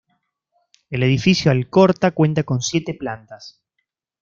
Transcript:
El Edificio Alcorta cuenta con siete plantas.